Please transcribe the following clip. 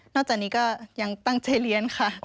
จากนี้ก็ยังตั้งใจเรียนค่ะ